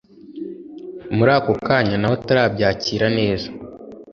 muri ako kanya nawe atarabyakira neza